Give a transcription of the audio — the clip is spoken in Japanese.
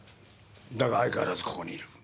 だが相変わらずここにいる。